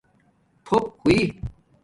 تھݸپ ہوئئ